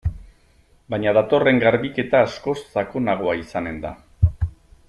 Baina datorren garbiketa askoz sakonagoa izanen da.